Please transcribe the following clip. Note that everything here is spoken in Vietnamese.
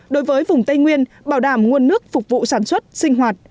đối với vùng tây nguyên bảo đảm nguồn nước phục vụ sản xuất sinh hoạt